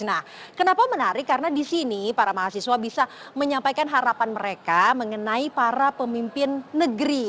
nah kenapa menarik karena di sini para mahasiswa bisa menyampaikan harapan mereka mengenai para pemimpin negeri